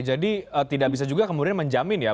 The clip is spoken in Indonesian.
jadi tidak bisa juga kemudian menjamin ya